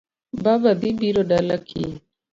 Baba dhi biro dala kiny